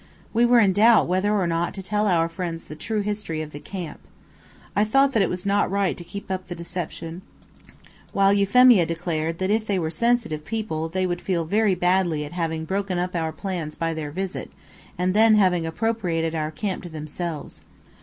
We were in doubt whether or not to tell our friends the true history of the camp. I thought that it was not right to keep up the deception, while Euphemia declared that if they were sensitive people, they would feel very badly at having broken up our plans by their visit, and then having appropriated our camp to themselves.